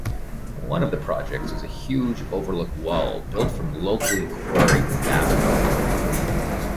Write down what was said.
One of the projects was a huge overlook wall, built from locally quarried gabbro.